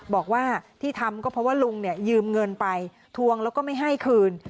บอกว่าที่ทำก็เพราะว่าลุงเนี่ยยืมเงินไปทวงแล้วก็ไม่ให้คืน